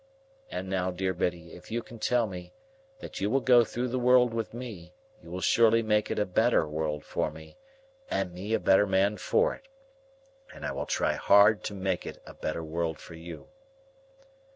And now, dear Biddy, if you can tell me that you will go through the world with me, you will surely make it a better world for me, and me a better man for it, and I will try hard to make it a better world for you."